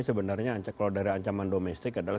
sebenarnya kalau dari ancaman domestik adalah